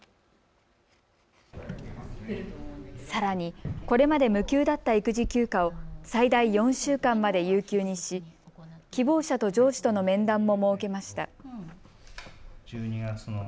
さらにこれまでの無給だった育児休暇を最大４週間まで有給にし希望者と上司との面談も設けました。